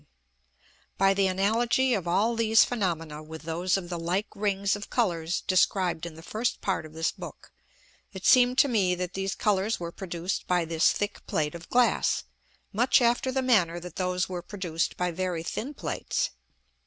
_ 7. By the Analogy of all these Phænomena with those of the like Rings of Colours described in the first part of this Book, it seemed to me that these Colours were produced by this thick Plate of Glass, much after the manner that those were produced by very thin Plates.